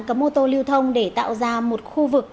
cấm ô tô lưu thông để tạo ra một khu vực